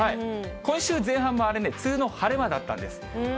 今週前半もあれね、梅雨の晴れ間だったんです。